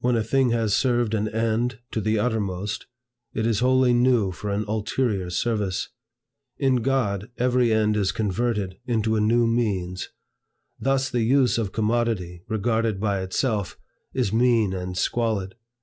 When a thing has served an end to the uttermost, it is wholly new for an ulterior service. In God, every end is converted into a new means. Thus the use of commodity, regarded by itself, is mean and squalid.